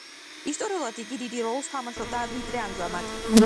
ისტორიულად იგი დიდი როლს თამაშობდა, ვიდრე ამჟამად.